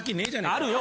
あるよ